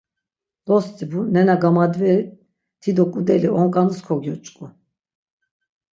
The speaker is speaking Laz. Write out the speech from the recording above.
Dostibu, nena gamadveri ti do ǩudeli onǩanus kogyoç̌ku.